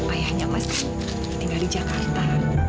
ayahnya masih tinggal di jakarta